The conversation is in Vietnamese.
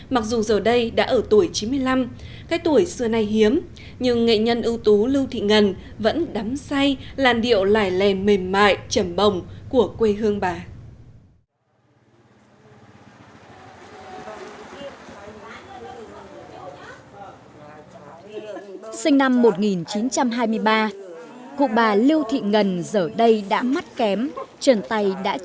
mặc dù giờ đây đã ở tuổi chín mươi năm cái tuổi xưa nay hiếm nhưng nghệ nhân ưu tú lưu thị ngần vẫn đắm say làn điệu lảy nèn mềm mại chẩm bồng của quê hương bà